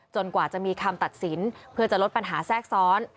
กว่าจะมีคำตัดสินเพื่อจะลดปัญหาแทรกซ้อน